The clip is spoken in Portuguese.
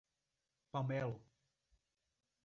Palmelo